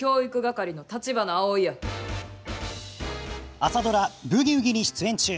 朝ドラ「ブギウギ」に出演中。